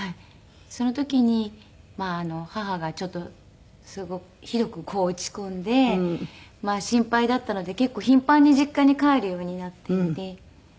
その時に母がちょっとひどく落ち込んで心配だったので結構頻繁に実家に帰るようになっていて。